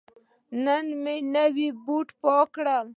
نن مې نوی بوټ پاک کړ.